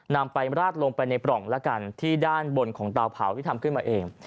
นำไปราดลงไปในปล่องแล้วกันที่ด้านบนของเตาเผาที่ทำขึ้นมาเอง